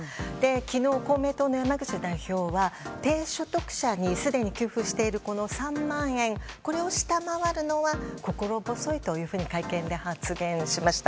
昨日、公明党の山口代表は低所得者にすでに給付している３万円これを下回るのは心細いというふうに会見で発言しました。